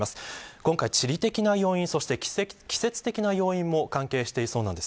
今回、地理的な要因、そして季節的な要因も関係していそうです。